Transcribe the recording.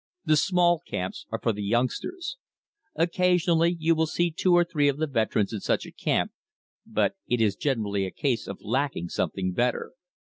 The small camps are for the youngsters. Occasionally you will see two or three of the veterans in such a camp, but it is generally a case of lacking something better.